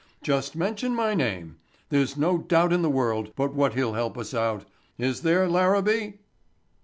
Just mention my name. There's no doubt in the world, but what he'll help us out. Is there, Larabee?"